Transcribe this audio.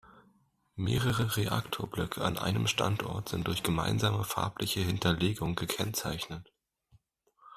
Mehrere Reaktorblöcke an einem Standort sind durch gemeinsame farbliche Hinterlegung gekennzeichnet.